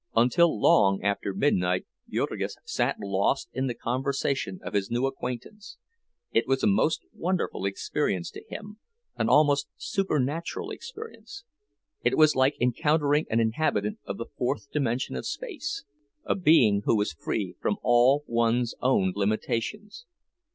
Until long after midnight Jurgis sat lost in the conversation of his new acquaintance. It was a most wonderful experience to him—an almost supernatural experience. It was like encountering an inhabitant of the fourth dimension of space, a being who was free from all one's own limitations.